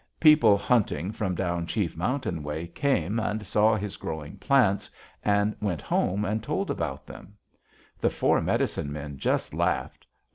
People hunting from down Chief Mountain way came and saw his growing plants, and went home and told about them. The four medicine men just laughed.